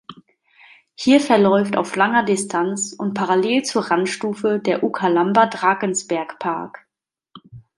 Hier verläuft auf langer Distanz und parallel zur Randstufe der Ukhahlamba-Drakensberg Park.